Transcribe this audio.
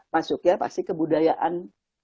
masuknya pasti kebudayaan